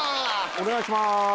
お願いします。